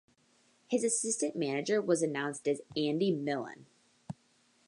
His assistant manager was announced as Andy Millen.